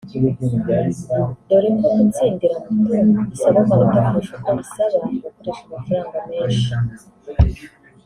dore ko gutsindira moto bisaba amanota kurusha uko bisaba gukoresha amafaranga menshi